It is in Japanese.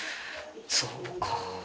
そうかぁ。